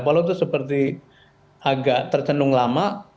walau itu seperti agak tercendung lama